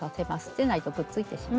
でないとくっついてしまいます。